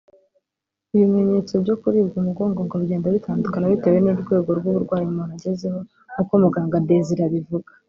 Ibimenyetso byo kuribwa umugongo ngo bigenda bitandukana bitewe n’urwego rw’uburwayi umuntu agezeho nkuko muganga Desire abivuga